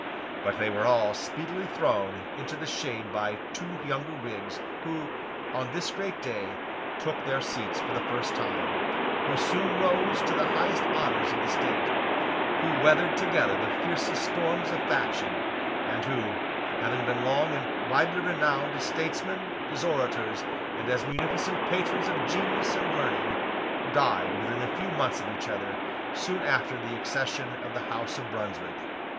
But they were all speedily thrown into the shade by two younger Whigs, who, on this great day, took their seats for the first time, who soon rose to the highest honours of the state, who weathered together the fiercest storms of faction, and who, having been long and widely renowned as statesmen, as orators, and as munificent patrons of genius and learning, died, within a few months of each other, soon after the accession of the House of Brunswick.